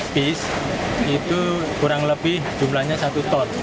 dua lima ratus enam puluh empat bis itu kurang lebih jumlahnya satu ton